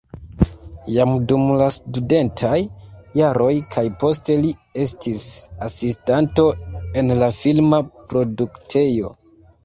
Jam dum la studentaj jaroj kaj poste li estis asistanto en la filma produktejo.